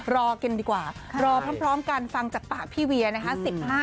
รอกันดีกว่ารอพร้อมกันฟังจากปากพี่เวียนะคะ